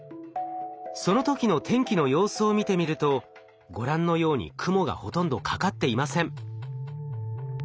その時の天気の様子を見てみるとご覧のように雲がほとんどかかっていません。